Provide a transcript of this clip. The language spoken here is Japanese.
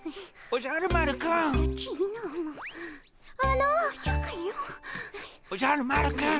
おじゃる丸くん。